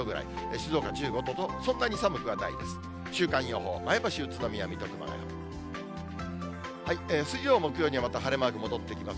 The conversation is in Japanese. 静岡１５度と、そんなに寒くはないです。